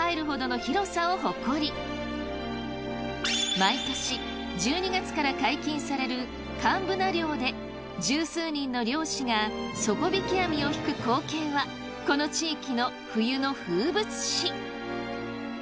毎年１２月から解禁される寒ブナ漁で十数人の漁師が底引き網を引く光景はこの地域の冬の風物詩。